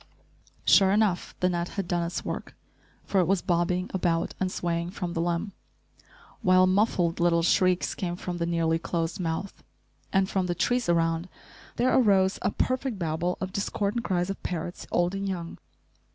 Sure enough, the net had done its work, for it was bobbing about and swaying from the limb, while muffled little shrieks came from the nearly closed mouth; and from the trees around there arose a perfect babel of discordant cries of parrots, old and young.